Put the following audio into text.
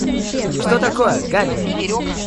Что такое, Гарри?